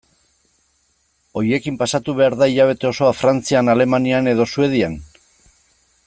Horiekin pasatu behar da hilabete osoa Frantzian, Alemanian edo Suedian?